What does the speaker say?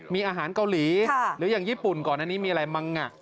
มีอาหารเกาหลีหรืออย่างญี่ปุ่นก่อนอันนี้มีอะไรมั้ง